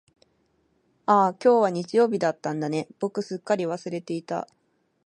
ああ、今日は日曜だったんだね、僕すっかり忘れていた。